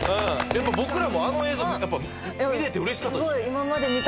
でも僕らもあの映像見れて嬉しかったですね。